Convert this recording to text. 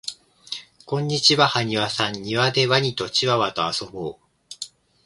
こんにちははにわさんにわでワニとチワワとあそぼう